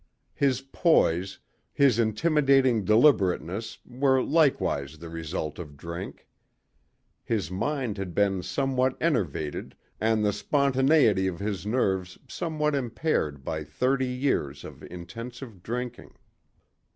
His poise, his intimidating deliberateness were likewise the result of drink. His mind had been somewhat enervated and the spontaneity of his nerves somewhat impaired by thirty years of intensive drinking.